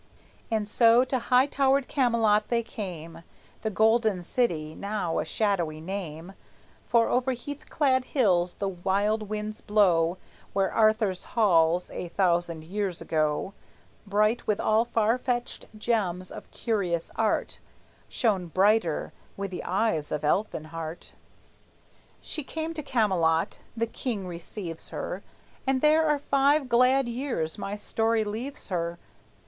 And so to high towered Camelot they came, The golden city, now a shadowy name; For over heath clad hills the wild winds blow Where Arthur's halls, a thousand years ago Bright with all far fetched gems of curious art, Shone brighter with the eyes of Elfinhart. She came to Camelot; the king receives her; And there for five glad years my story leaves her.